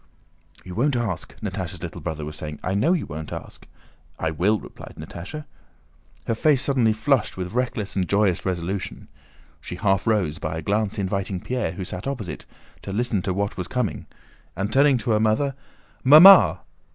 "You won't ask," Natásha's little brother was saying; "I know you won't ask!" "I will," replied Natásha. Her face suddenly flushed with reckless and joyous resolution. She half rose, by a glance inviting Pierre, who sat opposite, to listen to what was coming, and turning to her mother: "Mamma!"